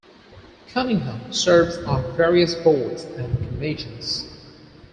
Cunningham serves on various boards and commissions.